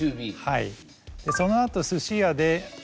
はい。